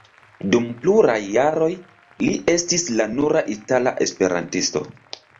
Dum pluraj jaroj li estis la nura itala esperantisto.